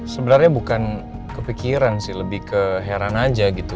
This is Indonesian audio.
sebenarnya bukan kepikiran sih lebih ke heran aja gitu